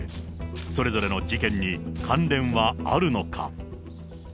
それぞれの事件に関連はあるのか。